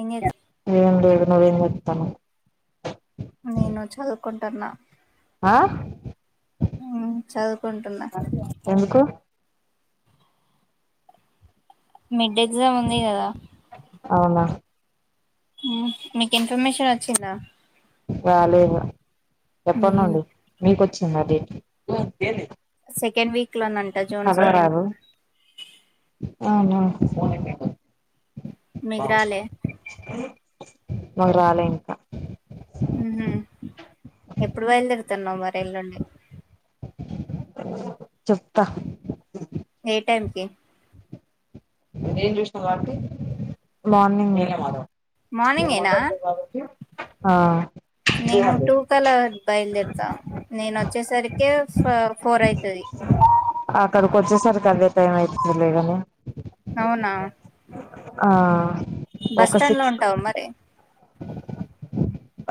ఎని [unintelligible] ఏం లేదు నువ్వేం చేస్తున్నావ్ నేను చదువుకుంటున్నా ఆ ఉం చదువుకుంటున్నా ఎందుకు మిడ్ ఎగ్జామ్ ఉంది కదా అవునా ఉం మీకు ఇన్ఫర్మేషన్ వచ్చిందా రాలేదు ఎప్పటి నుండి మీకొచ్చింద డేట్ సెకండ్ వీక్ లోనంట జూన్ సెకండ్ చదవరాదు అవునా. మీకు రాలే మాకురాలే ఇంకా. ఉహ్ ఎప్పుడు బయలుదేరుతున్నవు మరి ఎల్లుండి? చెప్తా. ఏ టైంకి? మార్నింగే. మార్నింగేనా ఆ నేను టూ కలా బయల్దేరుతా. నేను వచ్చేసరికే ఫ ఫోర్ అయితది. అక్కడికి వచ్చేసరికి అదే టైమ్ అయితదిలే గని. అవునా ఆ బస్ ఒక స్టాండ్ లో సిక్స్ ఉంటావా మరి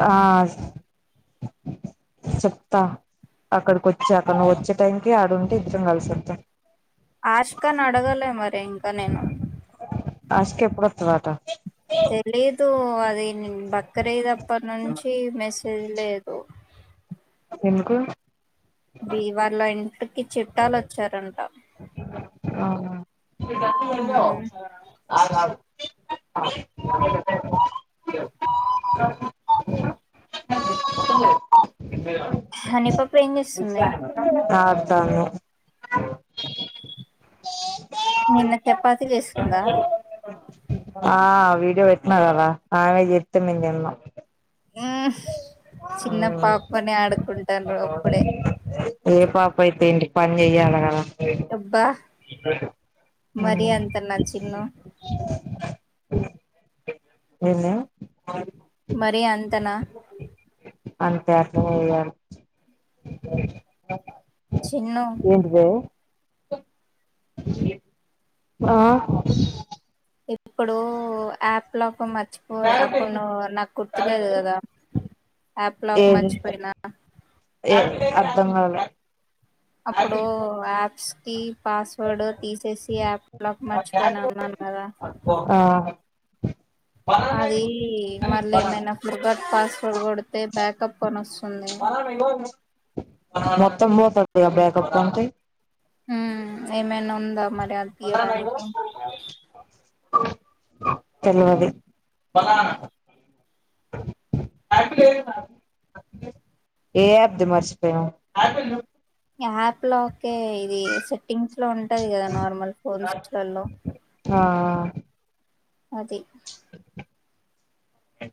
ఆ చెప్తా అక్కడికి వచ్చాకా నువ్వు వచ్చే టైంకి ఆడుంటే ఇద్దరం కలిసద్దాం. ఆష్కని అడగలే మరి ఇంకా నేను. అశిక ఎప్పుడు వత్తదాట. తెలీదు అది నేను బక్రీద్ అప్పనుంచి మెసేజ్ లేదు. ఎందుకు? ఇ వాళ్ళ ఇంటికి చుట్టాలు వచ్చారంటా. మ్మ్ అవునా. హనీ పా ఆడ్తాంను. నిన్న చపాతి చేస్తుందా. ఆ వీడియో పెట్నా కదా ఆమె చేత్తే మేం తిన్నాం. చిన్న పాపనే ఆడుకుంటార్రు. ఏ పాప అయితే ఎంటి పని చెయ్యాలే కదా. అబ్బా మరి అంతనా చిన్ను. నిన్నా మరీ అంతనా. అంతే అట్లనే చెయ్యాల. చిన్ను. ఏంటిదే? ఆ ఇప్పుడు యాప్ లాక్ మర్చి పోయే అప్పుడు నువ్వు నాకు గుర్తులేదు కదా ఆప్ లాక్ ఏది మర్చిపోయినా. ఏ అర్ధంగాలే. అప్పుడు యాప్స్ కి పాస్వర్డ్ తీసేసి యాప్ లాక్ మర్చిపోయినా అన్నాను కదా. ఆ అదీ మళ్ళ ఏమైనా ఫర్గాట్ పాస్వర్డ్ కొడుతే బ్యాకప్ అని వస్తుంది. ఆ మొత్తం పోతదిగా బ్యాకప్ అంటే హ్ ఏమైనా ఉందా మరి అది తీయడానికి. తెల్వది. ఏ ఆప్ ది మర్చిపోయినవు. యాప్ లో ఒకే ఇది సెట్టింగ్స్ లో ఉంటది కదా నార్మల్ ఫోన్స్ లలో ఆ అది అ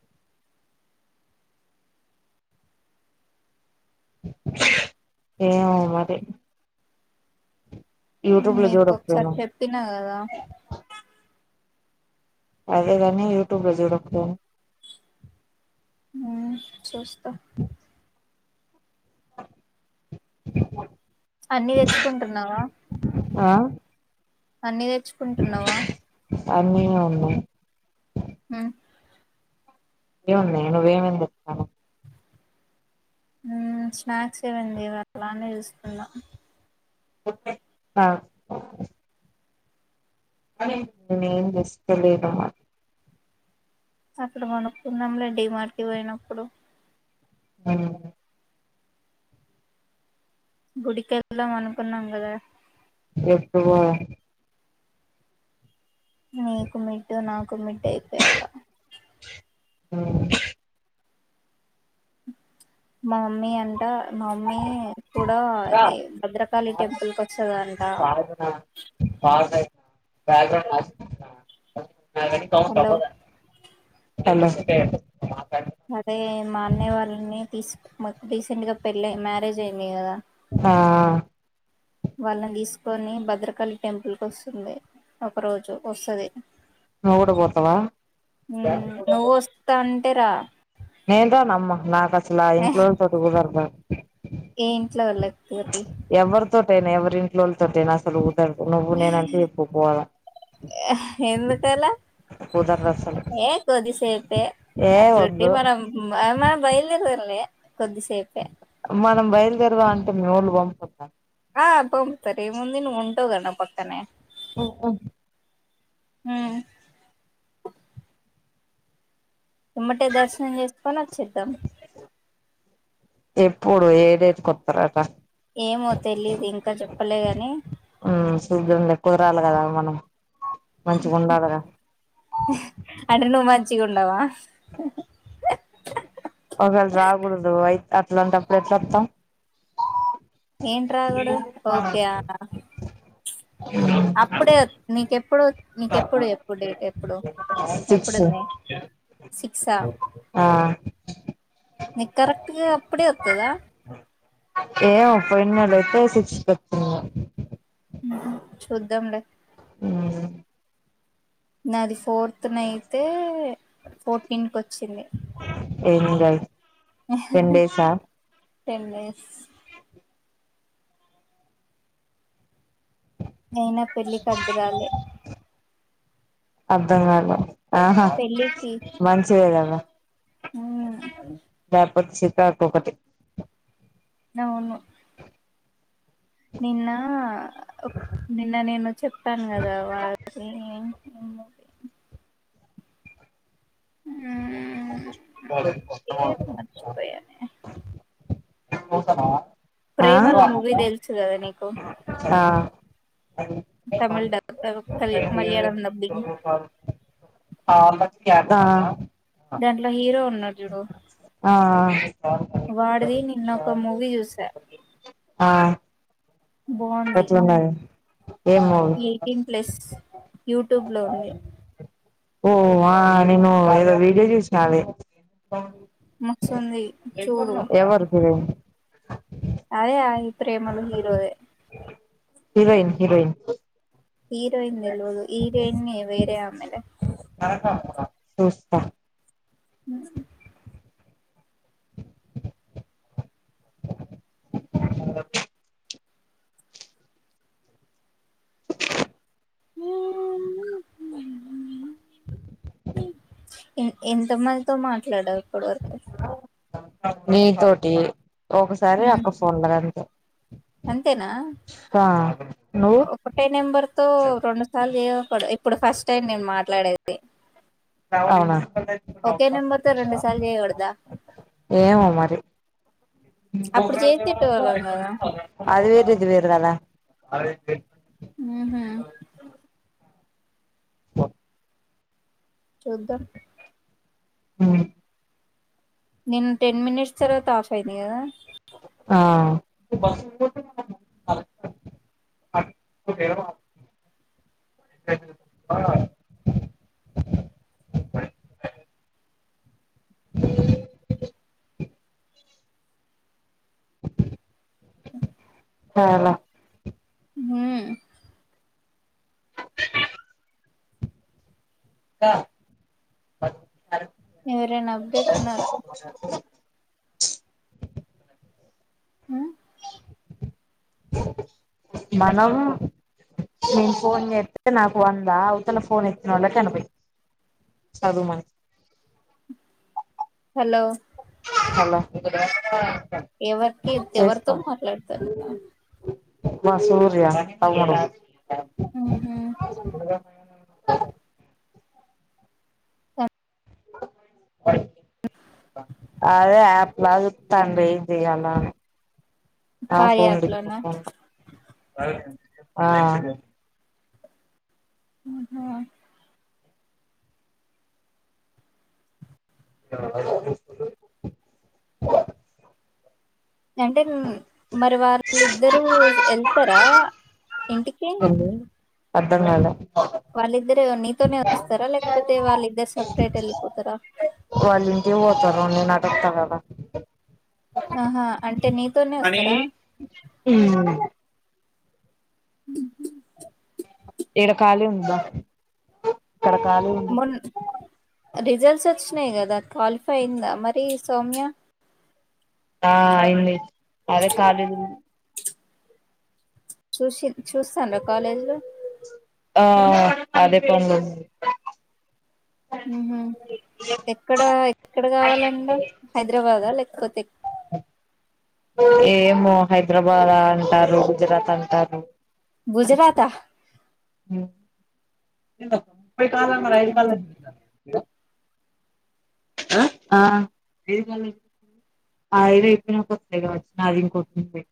ఏమో మరి యూట్యూబ్ లో నీక్ ఒకసారి చూడకపోయినాం చెప్పినా కదా అదే గని యూట్యూబ్ లో చూడు ఒకసారి ఆ చూస్తా అన్ని తెచ్చుకుంటున్నావా ఆ అన్ని తెచ్చుకుంటున్నావా అన్నీ ఉన్నాయి ఆ ఏమున్నాయ్ నువు ఏమేం చెప్తాన్నావ్ స్నాక్స్ ఇవం ఇవలానే చూస్తున్న ఆ నేనేం ఏం చేస్తలేన్నమ్మ అక్కడ కొనుక్కున్నాం డి మాట్కి పోయినప్పుడు ఆ గుడికెల్దాం అనుకున్నాం కదా ఎక్కువ నీకు మిడ్ నాకు మిడ్ అయిపోయాక అ మా మమ్మీ అంట మా మమ్మీ కూడా అది భద్రకాళి టెంపుల్ కి వచ్చేదంట [inaudible] పాసయి హలో హాలో అదే మా అన్నయ్య వాళ్ళని తీస్ రీసెంట్ గా పెళ్ళ మ్యారేజ్ అయింది కదా ఆ వాళ్ళని తీసుకొని భద్రకాళి టెంపుల్ కు వస్తుంది ఒక రోజు వస్తది నువు కూడ పోతవా నువ్ వస్తా అంటే రా నేన్ రానమ్మ నాకు అసలు ఆ ఇంట్లో వాళ్ళతో కుదరదు ఏ ఇంట్లో వాళ్ళతోటి ఎవరితోటైనా ఎవరి ఇంట్లోళ్ళతోటయినా అసలు కుదరదు నువ్వు నేనంటే ఎప్పు పోదాం ఎందుకల కుదరదు అసలు ఏ కొద్దిసేపే ఏ అట్లుంటే వద్దు మనం మన బయలుర్దలి కొద్దిసేపే మనం బయలుదేరవ అంటే మివోల్లు పంపు ఆ తోమ్తరు ఏముంది నువ్ ఉంటావ్ గా నా పక్కనే ఉహు ఊ ఎమ్మటే దర్శనం చేసుకని వచ్చేద్దాం ఎప్పుడు ఏ డేట్ కి వత్తరంట ఏమో తెలీదు ఇంకా చెప్పలే కాని ఆ చూదం లే మనం కుదరాలి కదా మనం మంచిగా ఉండాలిగా అంటే ను మంచిగా ఉండవా ఒకవేళ రాకూడదు అయి అట్లాంటప్పుడు ఎట్లా వస్తాం ఏంట్రాకూడాదు ఓకే అప్పుడే వత్ నీకెప్పుడు నీకెప్పుడు ఎప్పుడు డేట్ ఎప్పుడు సిక్స్ ఎప్పుడుంది సిక్సా ఆ నీ కరెక్ట్గా అప్పుడే వస్తుందా ఏమో పోయిన నెల అయితే సిక్స్ ఏ కు ఊహు చూద్దాంలే ఊ నాది ఫోర్త్ నయితే ఫోర్టీన్ కి వచ్చింది ఏమి కాదు టెన్ డస్ అయినా పెళ్లికి అడ్దురాలే అధంగాలే ఆహా పెళ్ళికి మంచిదే గద మ్మ్ ద పోతే చికాకు ఒకటి నవును నిన్న నిన్న నేను చెపను కదా వాళకి వాళ్ళది కొత్త పేరు మర్చిపోయానే [unintelligible] పోతనవ ప్రేమలు మూవీ తెలుసు కదా నీకు ఆ తమిళ్ దాంట్ల వస్తది మలయాళం డబ్బింగ్ అదా దాంట్లో హీరో ఉన్నాడూ చూడు ఆ వాడిది నిన్నొక మూవీ చూసా ఆ బాగుంది ఎట్లున్నది ఏం మూవీ ఎయిటీన్ ప్లస్ యూట్యూబ్ లో ఉంది ఓ ఆ నిన్న ఏదో వీడియో చెసినాడే మస్తుంది చూడు ఎవర్ హీరోయిన్ అదే అది ప్రేమలు హీరోదే హిరోయిన్ హిరోయిన్ హీరోయిన్ తెల్వదు హీరోయిన్ వేరే ఆమెలే చూస్తా ఆ ఎంత మందితో మాట్లాడవు ఇప్పటి వరకు నీ తోటి ఒకసారి అక్క ఫోన్ల అంతే అంతేనా ఆ నువ్వు ఒక టె నెంబర్ తో రెండు సార్లు చేయకుడు ఇప్పుడు ఫస్ట్ టైం నేను మాట్లాడేది ది రెండు సార్లు చేయకూడదా ఏమో మరి [inaudible] అప్పుడు చేసేటోళ్ళం కదా అది వేరు ఇది వేరుకదా అదే ఉహు ఓ చూదం ఉహు ని‌న్న టెన్ మినిట్స్ తర్వాత ఆఫ్ అయింది కదా ఆ ఆ ఉమ్ ఉ ఆ రాల హూమ్ త ఎవరైనా అప్డేట్ ఉన్నారా అ ఉ మనము నేను ఫోన్ చేస్తే నా ఫోన్ దా అవతల ఫోన్ చేసినోళ్లకి అనుభవి చదుమ హలో హలో ఎవరికి ఎవరితో చేస్తా మాట్లాడతారు మా సూర్య అవు ఉ అదే ఆప్ బాగ్ చెప్తాండ్రి ఇది ఈయాల నా కార్య ఫోన్ యాప్ లోనా ఆ హ ఆ అంటే మరి వాళ్ళిద్దరు వెళ్తారా ఇంటికి అర్థం కాలే వాళ్ళిద్దరు నీతోనే వస్తారా లేకపోతే వాళ్ళిద్దరు సపరేట్ వెళ్ళిపోతారా వాళ్ళ ఇంటికి పోతారో నాకు తెలీదు ఆహా అంటే నీ హనీ ఉ ఈడ కాళీ ఉందా ఇక్కడ కాళీ మన్ రిజల్ట్స్ వచ్చినాయి కదా క్వాలిఫై అయిందా మరి సౌమ్య ఆ అయింది అదే కాలింది చూసి చూస్తాండ్రా కాలేజ్ లో ఆ అదే పని హ ఎక్కడ ఎక్కడ కావాలడా హైదరాబాద లేకపోతే ఏమో హైదరాబాద్ అంటారు గుజరాత్ అంటారు గుజరాత ముయి కాల మ అయిదు కా వామ్మో ఆ ఆ ఐడి చెప్పినక వస్తాయి కావచ్చు నాది ఇంకోటింది ఉంది